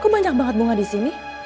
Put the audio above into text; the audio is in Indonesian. aku banyak banget bunga di sini